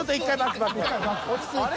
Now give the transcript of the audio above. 落ち着いて。